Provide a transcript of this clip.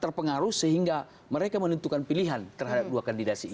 terpengaruh sehingga mereka menentukan pilihan terhadap dua kandidasi